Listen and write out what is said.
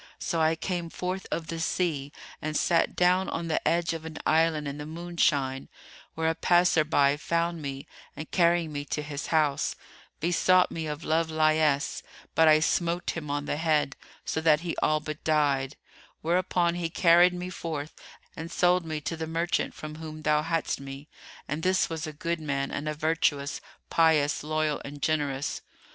So I came forth of the sea and sat down on the edge of an island in the moonshine[FN#309], where a passer by found me and, carrying me to his house, besought me of love liesse; but I smote him on the head, so that he all but died; whereupon he carried me forth and sold me to the merchant from whom thou hadst me, and this was a good man and a virtuous; pious, loyal and generous.